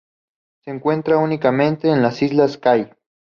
Se encuentra únicamente en las islas Kai.